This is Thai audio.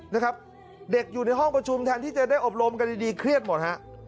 นะครับเด็กอยู่ในห้องประชุมแทนที่จะได้อบรมกันดีดีเครียดหมดฮะ